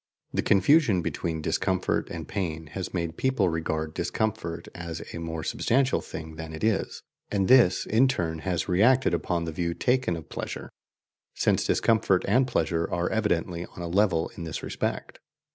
The confusion between discomfort and pain has made people regard discomfort as a more substantial thing than it is, and this in turn has reacted upon the view taken of pleasure, since discomfort and pleasure are evidently on a level in this respect.